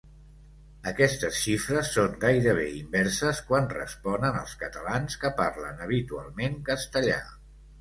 Aquestes xifres són gairebé inverses quan responen els catalans que parlen habitualment castellà.